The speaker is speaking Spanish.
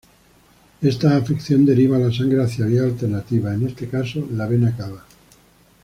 Esta afección deriva la sangre hacia vías alternativas, en este caso, la vena cava.